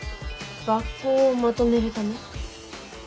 学校をまとめるため？